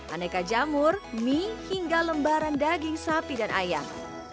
aneka jamur mie hingga lembaran daging sapi dan ayam